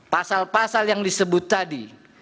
pasal pasal yang disebut tadi